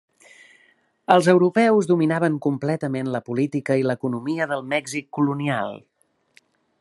Els europeus dominaven completament la política i l'economia del Mèxic colonial.